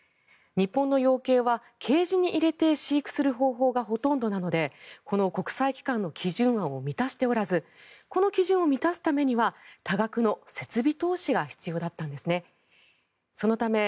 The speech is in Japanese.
日本の養鶏はケージに入れて飼育する方法がほとんどなのでこの国際機関の基準案を満たしておらずこの基準を満たすためには多額の設備投資が必要だったんです。